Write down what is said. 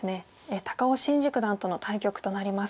高尾紳路九段との対局となります。